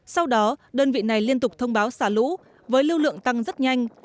sau đó đơn vị này liên tục thông báo xả lũ với lưu lượng tăng rất nhanh